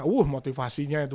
wuh motivasinya itu